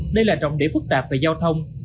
đây là trọng điểm phức tạp về giao thông